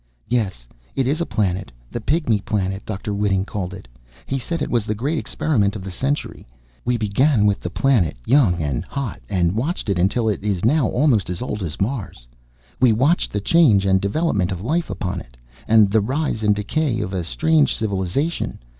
"Yes, it is a planet. The Pygmy Planet, Dr. Whiting called it. He said it was the great experiment of the century. You see, he was testing evolution. We began with the planet, young and hot, and watched it until it is now almost as old as Mars. We watched the change and development of life upon it. And the rise and decay of a strange civilization.